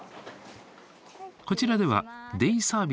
こちらではデイサービスが中心。